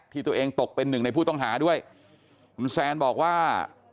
ที่ตัวเองตกเป็นหนึ่งในผู้ต้องหาด้วยคุณแซนบอกว่า